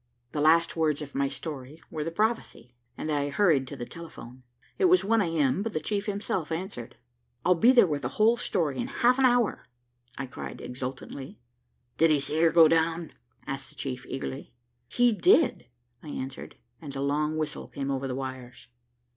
The last words of my story were the prophecy, and I hurried to the telephone. It was 1 a. m., but the chief himself answered. "I'll be there with the whole story in half an hour," I cried exultantly. "Did he see her go down?" asked the chief eagerly. "He did," I answered, and a long whistle came over the wires.